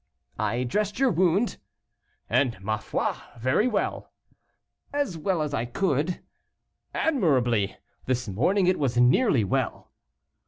"I dressed your wound." "And, ma foi! very well." "As well as I could." "Admirably! this morning it was nearly well."